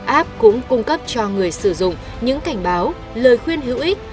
app cũng cung cấp cho người sử dụng những cảnh báo lời khuyên hữu ích